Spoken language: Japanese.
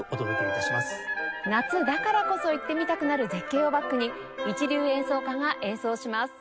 夏だからこそ行ってみたくなる絶景をバックに一流演奏家が演奏します。